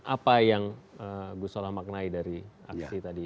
apa yang gus solah maknai dari aksi tadi